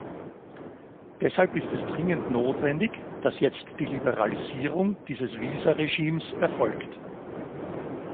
Deshalb ist es dringend notwendig, dass jetzt die Liberalisierung dieses Visaregimes erfolgt.